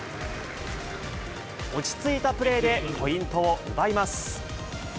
落ち着いたプレーでポイントを奪います。